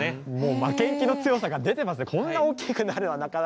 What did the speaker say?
負けん気の強さが出ていますね。